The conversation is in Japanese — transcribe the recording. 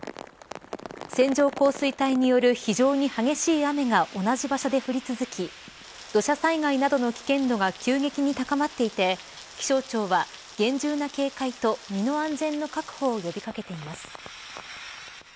線状降水帯による非常に激しい雨が同じ場所で降り続き土砂災害などの危険度が急激に高まっていて気象庁は厳重な警戒と身の安全の確保を呼び掛けています。